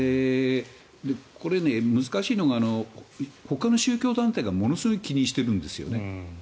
これ、難しいのがほかの宗教団体がものすごく気にしているんですよね。